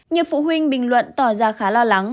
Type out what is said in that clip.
nhiều phụ huynh bình luận tỏ ra khá lo lắng